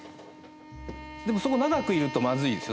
でもそこ長くいるとマズいですよ